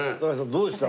どうでした？